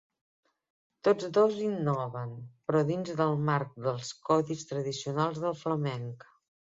Tots dos innoven, però dins del marc dels codis tradicionals del flamenc.